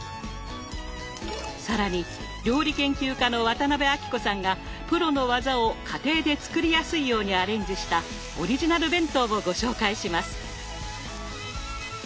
更に料理研究家の渡辺あきこさんがプロの技を家庭で作りやすいようにアレンジしたオリジナル弁当をご紹介します。